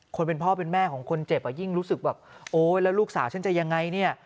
คนเป็นพ่อเป็นแม่ของคนเจ็บอ่ะยิ่งรู้สึกแบบโอ๊ยแล้วลูกสาวฉันจะยังไงเนี่ย